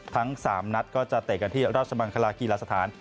ทั้ง๓นัดก็จะเตะกันที่ราชมังคลากีฬาสถาน